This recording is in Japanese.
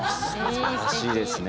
素晴らしいですね。